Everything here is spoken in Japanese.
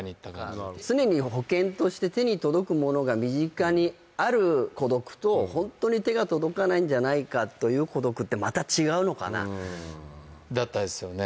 そっか常に保険として手に届くものが身近にある孤独とホントに手が届かないんじゃないかという孤独ってまた違うのかなだったですよね